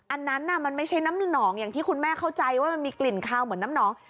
อันนั้นมันไม่ใช่น้ำหนองอย่างที่คุณแม่เข้าใจว่ามันมีกลิ่นคาวเหมือนน้ำหนอง